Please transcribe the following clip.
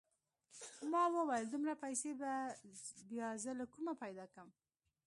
ما وويل دومره پيسې به بيا زه له کومه پيدا کم.